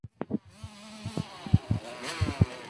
হ্যাঁ, পানি খাবো।